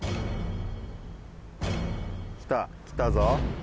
来た来たぞ。